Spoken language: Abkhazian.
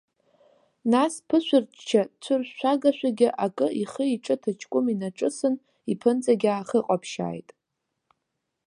Нас ԥышәырчча цәыршәагашәагьы акы ихы-иҿы ҭачкәым инаҿысын, иԥынҵагьы аахыҟаԥшьааит.